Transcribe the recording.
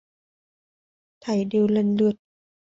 Thảy đều lần lượt